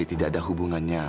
jadi tidak ada hubungannya